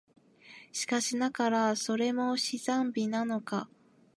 しかしながら、それも自然美なのか、